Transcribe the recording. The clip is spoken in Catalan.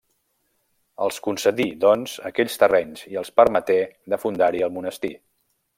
Els concedí, doncs, aquells terrenys i els permeté de fundar-hi el monestir.